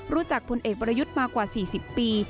รู้จักผลเอกประยุทธ์มากว่า๔๐ปี